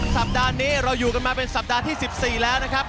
สัปดาห์นี้เราอยู่กันมาเป็นสัปดาห์ที่๑๔แล้วนะครับ